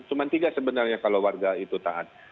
cuma tiga sebenarnya kalau warga itu taat